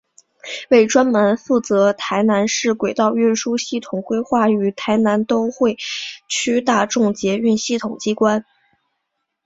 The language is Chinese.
为专门负责台南市轨道运输系统规划与台南都会区大众捷运系统机关。